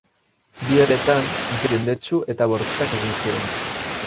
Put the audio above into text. Bi herrietan joko jendetsu eta bortitzak egiten ziren.